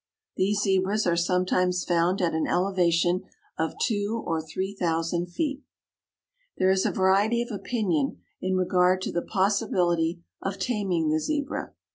These Zebras are sometimes found at an elevation of two or three thousand feet. There is a variety of opinion in regard to the possibility of taming the Zebra.